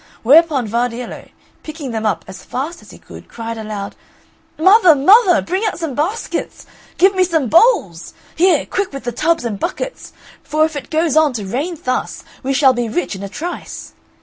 Whereupon Vardiello, picking them up as fast as he could, cried aloud, "Mother, mother! bring out some baskets; give me some bowls! Here, quick with the tubs and buckets! for if it goes on to rain thus we shall be rich in a trice."